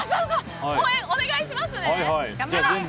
応援お願いしますね。